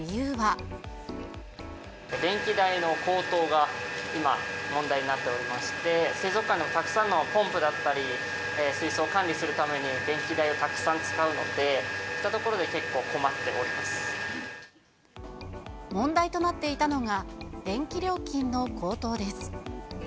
電気代の高騰が今、問題になっておりまして、水族館のたくさんのポンプだったり、水槽を管理するために電気代をたくさん使うので、そういうところ問題となっていたのが、電気料金の高騰です。